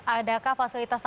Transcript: adakah fasilitas penerbangan